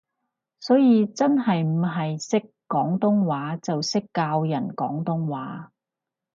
所以真係唔係識廣東話就識教人廣東話